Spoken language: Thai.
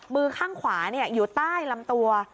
มือข้างขวาอยู่ใต้ลำตัว